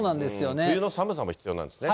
冬の寒さも必要なんですね。